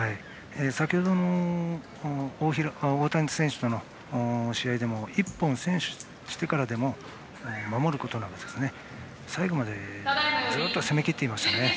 先程の大谷選手との試合でも１本を先取してからでも守ることなく最後までずっと攻めきっていました。